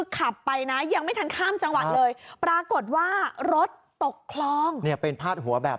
ขับไปนะยังไม่ทันข้ามจังหวัดเลยปรากฏว่ารถตกคลองเนี่ยเป็นพาดหัวแบบ